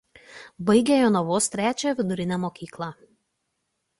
Baigė Jonavos trečiąją vidurinę mokyklą.